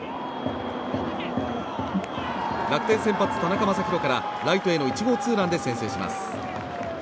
楽天先発、田中将大からライトへの１号ツーランで先制します。